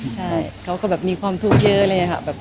ใช่เขาก็แบบมีความทุกข์เยอะเลยค่ะ